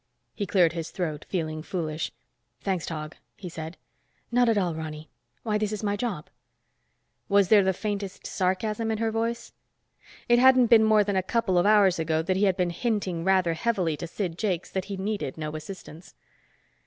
He cleared his throat, feeling foolish. "Thanks, Tog," he said. "Not at all, Ronny. Why, this is my job." Was there the faintest of sarcasm in her voice? It hadn't been more than a couple of hours ago that he had been hinting rather heavily to Sid Jakes that he needed no assistance.